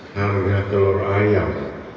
harga telur ayam